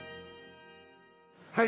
はい。